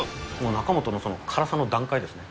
中本の辛さの段階ですね。